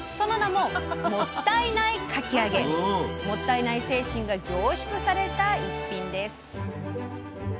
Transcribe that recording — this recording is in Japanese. もったいない精神が凝縮された一品です。